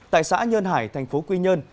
tại xã nhân hải thành phố quy nhơn